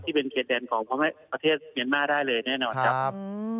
เป็นเขตแดนของประเทศเมียนมาร์ได้เลยแน่นอนครับ